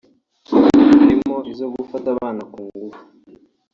harimo izo gufata abana ku ngufu